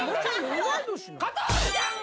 加トちゃん！